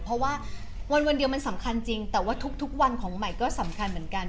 เพราะว่าวันเดียวมันสำคัญจริงแต่ว่าทุกวันของใหม่ก็สำคัญเหมือนกัน